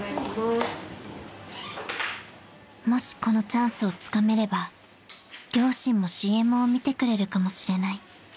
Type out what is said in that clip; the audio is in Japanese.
［もしこのチャンスをつかめれば両親もＣＭを見てくれるかもしれない］